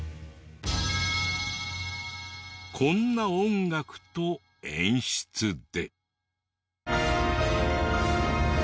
こんな音楽と演出で。